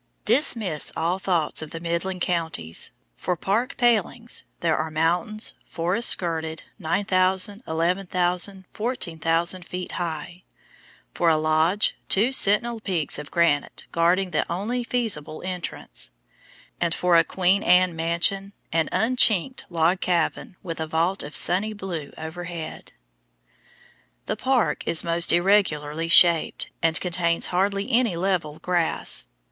Dismiss all thoughts of the Midland Counties. For park palings there are mountains, forest skirted, 9,000, 11,000, 14,000 feet high; for a lodge, two sentinel peaks of granite guarding the only feasible entrance; and for a Queen Anne mansion an unchinked log cabin with a vault of sunny blue overhead. The park is most irregularly shaped, and contains hardly any level grass.